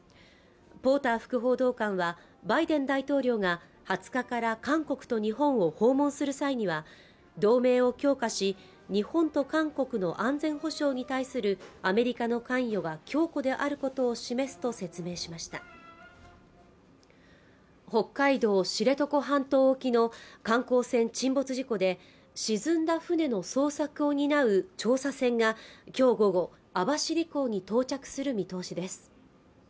ポーター副報道官はバイデン大統領が２０日から韓国と日本を訪問する際には同盟を強化し日本と韓国の安全保障に対するアメリカの関与が強固であることを示すと説明しました北海道・知床半島沖の観光船沈没事故で沈んだ船の捜索を担う調査船がきょう午後、網走港に到着する見通しです